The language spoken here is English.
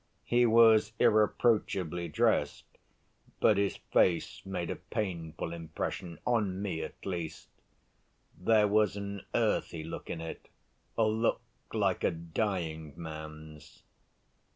He was irreproachably dressed, but his face made a painful impression, on me at least: there was an earthy look in it, a look like a dying man's.